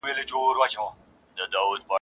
تورېدلي، ترهېدلي به مرغان وي ..